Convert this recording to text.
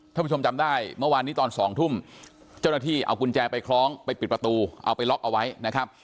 ท่านผู้ชมจำได้เมื่อวานนี้ตอนสองทุ่มเจ้าหน้าที่เอากุญแจไปคล้องไปปิดประตูเอาไปล็อกเอาไว้นะครับ